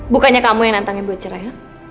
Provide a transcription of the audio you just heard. bukannya kamu yang nantangin buat cerai